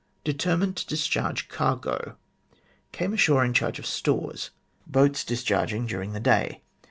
Determined to discharge cargo. Came ashore in charge of stores. Boats discharging during the day.